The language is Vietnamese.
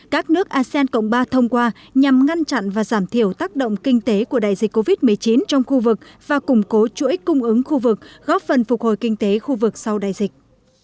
các nước asean cộng ba thông qua nhằm ngăn chặn và giảm thiểu tác động kinh tế của đại dịch covid một mươi chín trong khu vực và củng cố chuỗi cung ứng khu vực góp phần phục hồi kinh tế khu vực sau đại dịch